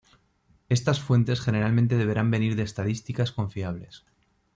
Estas fuentes generalmente deberán venir de estadísticas confiables.